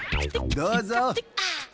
どうぞ。